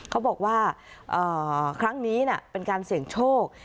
เขาบอกว่าครั้งนี้เป็นการเสี่ยงโชค